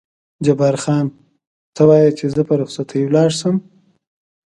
جبار خان: ته وایې چې زه په رخصتۍ ولاړ شم؟